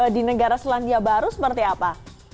di negara selandia baru seperti apa